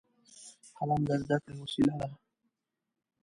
قلم د زده کړې وسیله ده